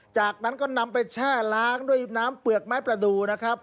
จากนั้นก็นำไปแช่ล้างด้วยน้ำเปลือกไม้ประดูนะครับ